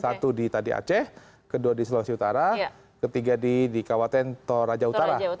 satu di tadi aceh kedua di sulawesi utara ketiga di kawaten toraja utara